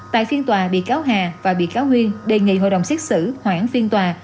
tại phiên tòa bị cáo hà và bị cáo huyên đề nghị hội đồng xét xử hoãn phiên tòa